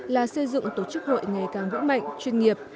là xây dựng tổ chức hội ngày càng vững mạnh chuyên nghiệp